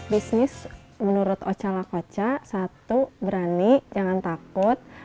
bisnis menurut oca lakoca satu berani jangan takut